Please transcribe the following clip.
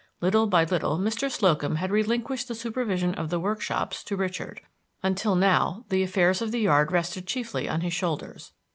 Little by little Mr. Slocum had relinquished the supervision of the workshops to Richard, until now the affairs of the yard rested chiefly on his shoulders.